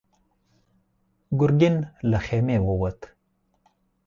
ګرګين له خيمې ووت.